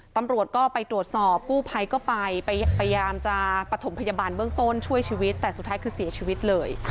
ตำรวจก็ไปตรวจสอบกู้ภัยก็ไปพยายามจะปฐมพยาบาลเบื้องต้นช่วยชีวิตแต่สุดท้ายคือเสียชีวิตเลย